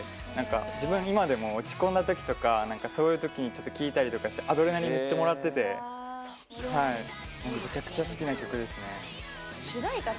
自分、今でも落ち込んだときとかそういうときに聴いたりとかしてアドレナリンめっちゃもらっててめちゃくちゃ好きな曲ですね。